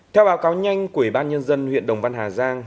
theo báo cáo nhanh quỹ ban nhân dân huyện đồng văn hà giang